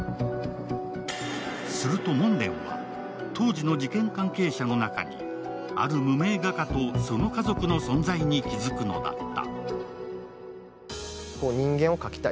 すると門田は、当時の事件関係者の中に、ある無名画家とその家族の存在に気づくのだった。